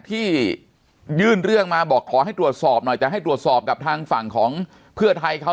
ที่ยื่นเรื่องมาบอกขอให้ตรวจสอบหน่อยแต่ให้ตรวจสอบกับทางฝั่งของเพื่อไทยเขา